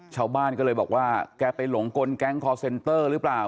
ชาวบ้านก็เลยบอกว่าแกไปหลงกลแก๊งคอร์เซ็นเตอร์หรือเปล่า